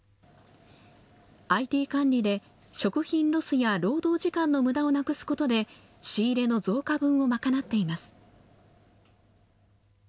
ＩＴ管理で食品ロスや労働時間のむだをなくすことで仕入れの増加分を賄っています。